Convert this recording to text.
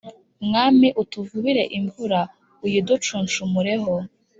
Mwami utuvubire imvura uyiducuncumureho